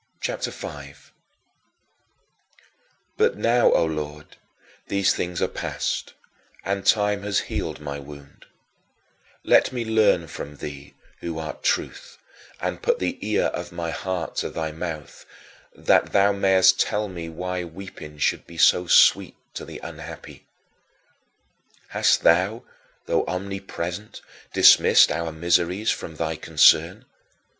CHAPTER V 10. But now, O Lord, these things are past and time has healed my wound. Let me learn from thee, who art Truth, and put the ear of my heart to thy mouth, that thou mayest tell me why weeping should be so sweet to the unhappy. Hast thou though omnipresent dismissed our miseries from thy concern?